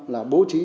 là bố trí